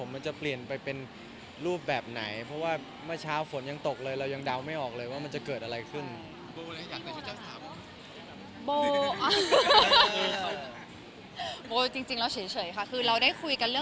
ไม่ว่าเราจะตัดสินใจอะไรก็แล้วแต่